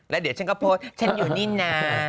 แล้วเดี๋ยวฉันก็โพสต์ฉันอยู่นี่นะ